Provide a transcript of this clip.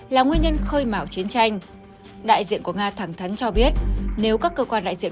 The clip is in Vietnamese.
là nguyên nhân khơi mỏ chiến tranh đại diện của nga thẳng thắn cho biết nếu các cơ quan đại diện